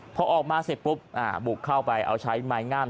พอออกมาเสร็จปุ๊บบุกเข้าไปเอาใช้ไม้งาม